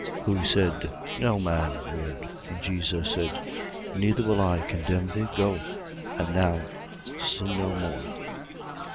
8:11. Who said: No man, Lord. And Jesus said: Neither will I condemn thee. Go, and now sin no more.